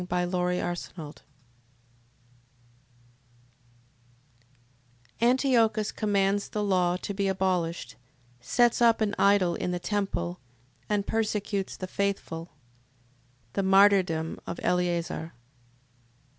2 Machabees Chapter 6 Antiochus commands the law to be abolished, sets up an idol in the temple, and persecutes the faithful. The martyrdom of Eleazar.